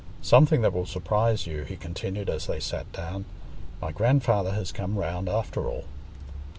Something that will surprise you," he continued, as they sat down. "My grandfather has come round after all."